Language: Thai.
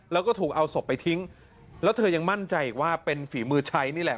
แล้วก็ถูกเอาศพไปทิ้งแล้วเธอยังมั่นใจอีกว่าเป็นฝีมือใช้นี่แหละ